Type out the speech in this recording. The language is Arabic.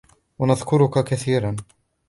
ونذكرك كثيرا